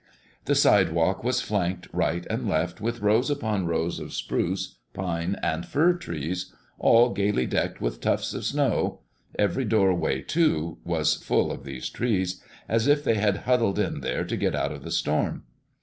The sidewalk was flanked right and left with rows upon rows of spruce, pine and fir trees, all gayly decked with tufts of snow; every doorway, too, was full of these trees, as if they had huddled in there to get out of the storm.